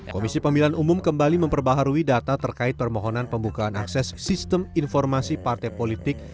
komisi pemilihan umum kembali memperbaharui data terkait permohonan pembukaan akses sistem informasi partai politik